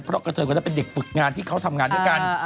เพราะกระเทยคนนั้นเป็นเด็กฝึกงานที่เขาทำงานด้วยกัน